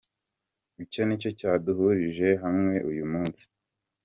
Icyo ni cyo cyaduhurije hamwe uyu munsi"